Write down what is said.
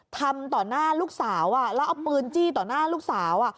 ทำต่อหน้าลูกสาวแล้วเอาปืนจี้ต่อหน้าลูกสาว